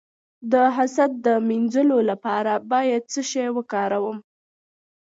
د حسد د مینځلو لپاره باید څه شی وکاروم؟